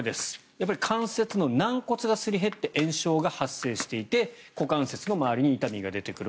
やっぱり関節の軟骨がすり減って炎症が発生していて股関節の周りに痛みが出てくる。